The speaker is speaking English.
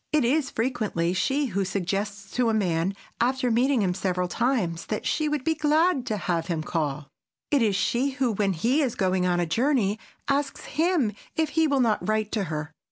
It is frequently she who suggests to a man, after meeting him several times, that she would be glad to have him call. It is she who, when he is going on a journey, asks him if he will not write to her.